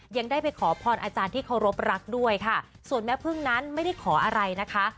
ยังได้ไปขอพรอาจารย์ที่เคารพรักด้วยค่ะส่วนแม่พึ่งนั้นไม่ได้ขออะไรนะคะ